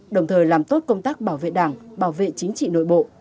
đồng thời làm tốt công tác bảo vệ đảng bảo vệ chính trị nội bộ